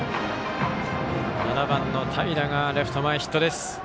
７番の平がレフト前ヒット。